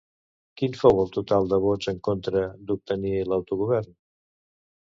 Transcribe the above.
Quin fou el total de vots en contra d'obtenir l'autogovern?